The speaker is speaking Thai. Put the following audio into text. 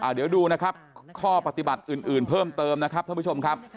เดี๋ยวดูนะครับข้อปฏิบัติอื่นเพิ่มเติมนะครับท่านผู้ชมครับ